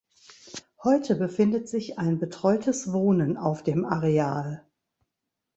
Heute befindet sich ein Betreutes Wohnen auf dem Areal.